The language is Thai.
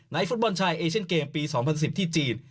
ฟุตบอลชายเอเชียนเกมปี๒๐๑๐ที่จีน